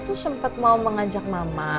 tuh sempet mau mengajak mama